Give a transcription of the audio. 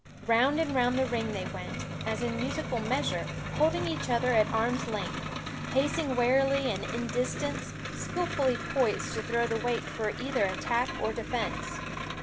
Round and round the ring they went, as in musical measure, holding each other at arms' length, pacing warily and in distance, skilfully poised to throw the weight for either attack or defence.